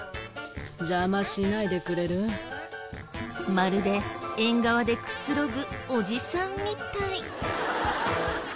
まるで縁側でくつろぐおじさんみたい。